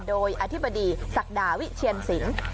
โดยอธิบดีศักดาวิเชียนสิน